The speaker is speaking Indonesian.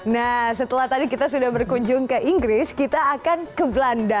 nah setelah tadi kita sudah berkunjung ke inggris kita akan ke belanda